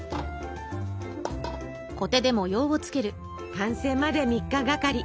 完成まで３日がかり。